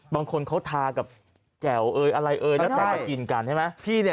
บางคนเขาทากับแจ่วเอยอะไรเอ่ยแล้วอยากจะกินกันใช่ไหม